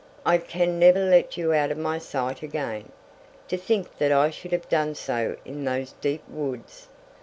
"I can never let you out of my sight again! To think that I should have done so in those deep woods."